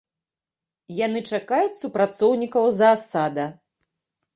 Яны чакаюць супрацоўнікаў заасада.